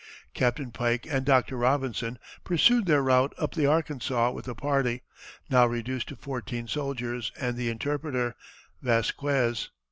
Captain Pike and Doctor Robinson pursued their route up the Arkansas with the party, now reduced to fourteen soldiers and the interpreter, Vasquez.